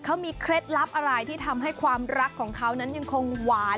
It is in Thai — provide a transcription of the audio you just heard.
เขามีเคล็ดลับอะไรที่ทำให้ความรักของเขานั้นยังคงหวาน